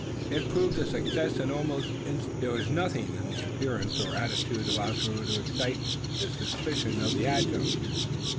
It proved a success and almost instantaneously. There was nothing in the appearance or attitude of Ossaroo to excite the suspicion of the adjutants.